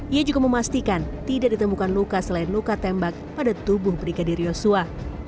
ia juga memastikan tidak ditemukan luka selain luka tembak pada tubuh brigadir yosua